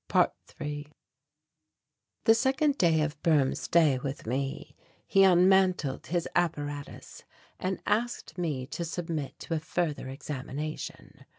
~3~ The second day of Boehm's stay with me, he unmantled his apparatus and asked me to submit to a further examination.